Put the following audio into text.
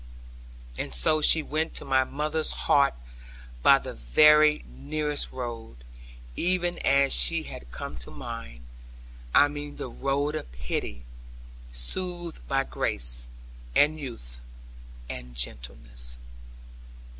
And so she went to mother's heart by the very nearest road, even as she had come to mine; I mean the road of pity, smoothed by grace, and youth, and gentleness.